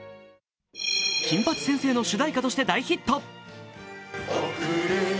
「金八先生」の主題歌として大ヒット。